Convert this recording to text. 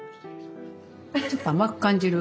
ちょっと甘く感じる。